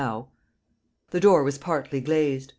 ] The door was partly glazed.